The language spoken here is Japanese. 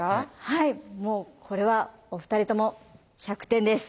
はいもうこれはお二人とも１００点です！